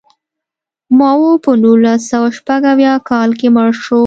ماوو په نولس سوه شپږ اویا کال کې مړ شو.